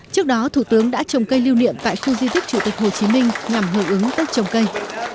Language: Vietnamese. trước đó thủ tướng đã trồng cây lưu niệm tại khu di tích chủ tịch hồ chí minh ngằm hợp ứng tất trồng cây